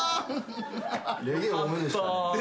レゲエ多めでしたね。